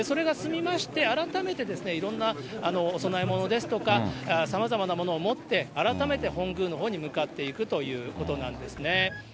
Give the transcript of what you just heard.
それが済みまして、改めていろんなお供え物ですとか、さまざまなものを持って、改めて本宮のほうに向かっていくということなんですね。